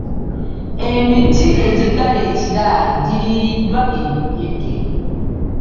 Emiti egiggala ekiraalo giriiriddwa enkuyege.